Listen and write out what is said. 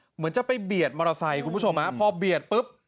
เหมือนจะไปเบียดมอเตอร์ไซค์คุณผู้ชมฮะพอเบียดปุ๊บ